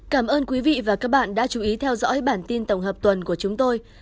cảm ơn quý vị và các bạn đã chú ý theo dõi bản tin tổng hợp tuần của chúng tôi